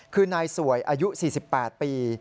คือนายสวยอายุ๔๘ปี